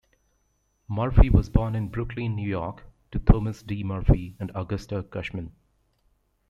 Murphy was born in Brooklyn, New York, to Thomas D. Murphy and Augusta Cushman.